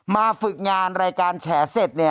มาฝึกงานรายการแฉะเซ็ต